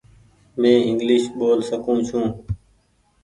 مين انگليش ٻول سڪون ڇي ۔